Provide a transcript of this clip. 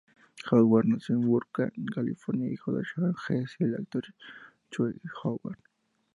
Howard nació en Burbank, California, hijo de Sharon Hess y el actor Joe Howard.